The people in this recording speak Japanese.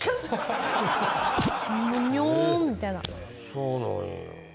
そうなんや。